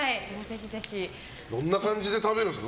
どんな感じで食べるんですか。